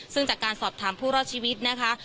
ซึ่งจากการสอบถามผู้รอดชีวิตนะคะ